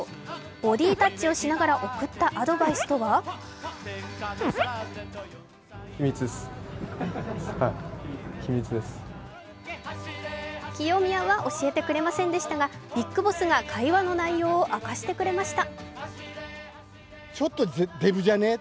ボディータッチをしながら送ったアドバイスとは清宮は教えてくれませんでしたがビッグボスが会話の内容を明かしてくれました。